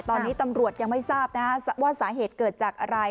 ตอนนี้ตำรวจยังไม่ทราบว่าสาเหตุเกิดจากอะไร